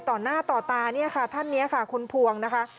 ต่อหน้าต่อตาเนี่ยค่ะท่านนี้ค่ะคุณพวงนะคะ